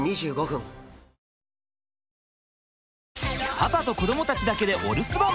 パパと子どもたちだけでお留守番！